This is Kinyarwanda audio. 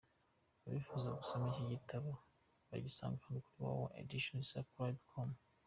Abifuza gusoma iki gitabo bagisanga hano www.editions-scribe.com